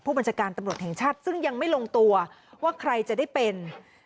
บัญชาการตำรวจแห่งชาติซึ่งยังไม่ลงตัวว่าใครจะได้เป็น